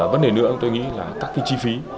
vấn đề nữa tôi nghĩ là các cái chi phí